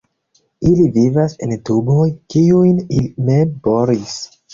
Ili vivas en tuboj, kiujn ili mem boris.